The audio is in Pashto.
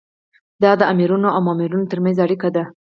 دا د آمرینو او مامورینو ترمنځ اړیکه ده.